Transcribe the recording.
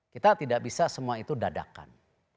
kita tidak bisa semua itu dadakan